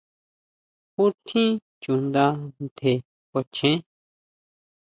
¿Jutjín chuʼnda ntje kuachen?